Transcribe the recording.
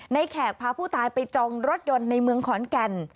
แขกพาผู้ตายไปจองรถยนต์ในเมืองขอนแก่น